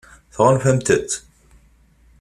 Tɣunfamt-tt?